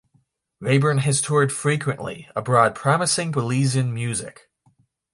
Rhaburn has toured frequently abroad promoting Belizean music.